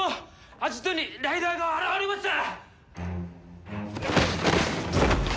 アジトにライダーが現れました！